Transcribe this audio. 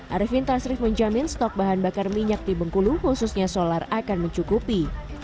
arifin tasrif menjamin stok bahan bakar minyak di bengkulu khususnya solar akan mencukupi